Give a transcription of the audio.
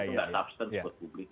tidak substance buat publik